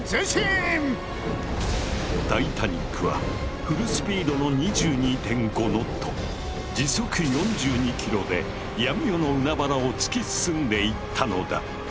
タイタニックはフルスピードの２２．５ノット時速４２キロで闇夜の海原を突き進んでいったのだ。